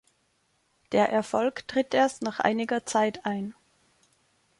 Der Erfolg tritt erst nach einiger Zeit ein.